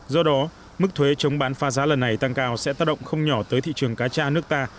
do đó mức thuế chống bán pha giá lần này tăng cao sẽ tác động không nhỏ tới thị trường cá cha nước ta